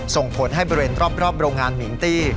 ส่งผลให้เบรนรอบโรงงานหมิ่งตี้